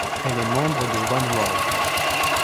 Elle est membre de Oneworld.